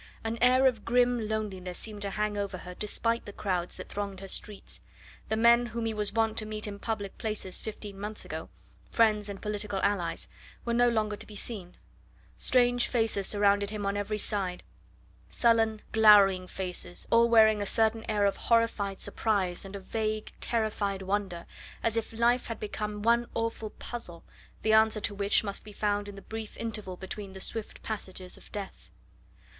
An air of grim loneliness seemed to hang over her despite the crowds that thronged her streets; the men whom he was wont to meet in public places fifteen months ago friends and political allies were no longer to be seen; strange faces surrounded him on every side sullen, glowering faces, all wearing a certain air of horrified surprise and of vague, terrified wonder, as if life had become one awful puzzle, the answer to which must be found in the brief interval between the swift passages of death.